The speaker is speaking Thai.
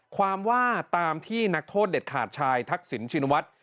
ความว่าตามที่นักโทษเด็ดขาดชายทักษิณชินวัฒน์